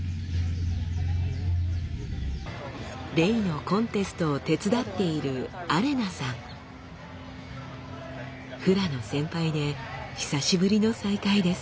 レイのコンテストを手伝っているフラの先輩で久しぶりの再会です。